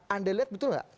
anda lihat betul tidak